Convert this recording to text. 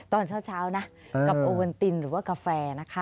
ตอนเช้านะกับโอเวนตินหรือว่ากาแฟนะคะ